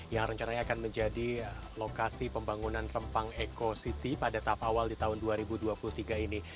yang rencananya akan menjadi lokasi pembangunan rempang eco city pada tahap awal di tahun dua ribu dua puluh tiga ini